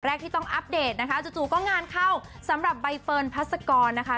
แรกที่ต้องอัปเดตนะคะจู่ก็งานเข้าสำหรับใบเฟิร์นพัศกรนะคะ